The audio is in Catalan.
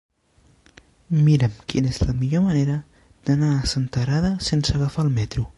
Mira'm quina és la millor manera d'anar a Senterada sense agafar el metro.